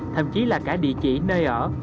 thậm chí là cả địa chỉ nơi ở